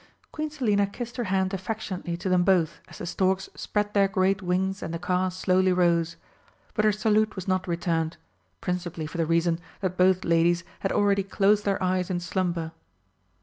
Queen Selina kissed her hand affectionately to them both as the storks spread their great wings and the car slowly rose. But her salute was not returned principally for the reason that both ladies had already closed their eyes in slumber.